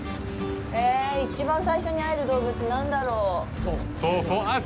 え、一番最初に会える動物、何だろう。